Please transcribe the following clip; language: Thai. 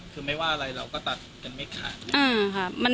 คือไม่ว่าอะไรเราก็ตัดกันไม่ขาดเลย